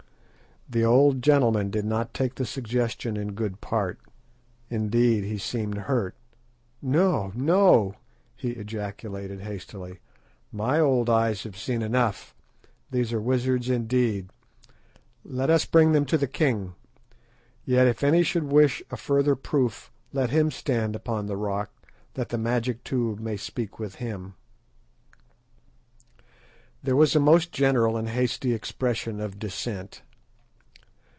The old gentleman did not take the suggestion in good part. Indeed, he seemed hurt. "No! no!" he ejaculated hastily, "my old eyes have seen enough. These are wizards, indeed. Let us bring them to the king. Yet if any should wish a further proof, let him stand upon the rock, that the magic tube may speak with him." There was a most general and hasty expression of dissent.